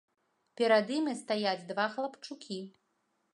Перад імі стаяць два хлапчукі.